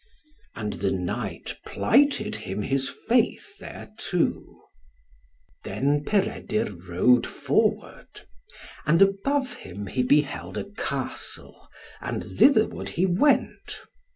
And the knight plighted him his faith thereto. Then Peredur rode forward. And above him he beheld a castle, and thitherward he went.